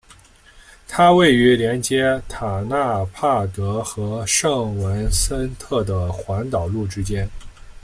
它位于连接塔纳帕格和圣文森特的环岛路之间。